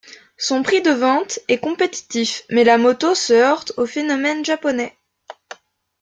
Son prix de vente est compétitif mais la moto se heurte au phénomène japonais.